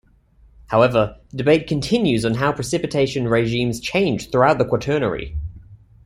However, debate continues on how precipitation regimes changed throughout the Quaternary.